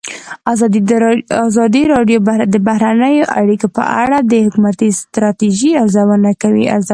ازادي راډیو د بهرنۍ اړیکې په اړه د حکومتي ستراتیژۍ ارزونه کړې.